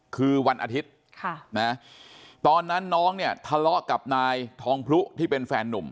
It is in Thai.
คือวันอาทิตย์ตอนนั้นน้องเนี่ยทะเลาะกับนายทองพลุที่เป็นแฟนนุ่ม